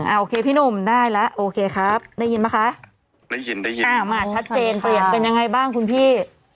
โอเคพี่หนุ่มได้แล้วโอเคครับได้ยินป่ะคะได้ยินได้ยินอ่ามาชัดเจนเปลี่ยนเป็นยังไงบ้างคุณพี่